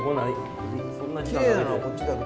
きれいなのはこっちだけどな。